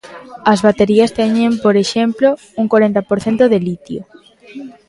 As baterías teñen, por exemplo, un corenta por cento de litio.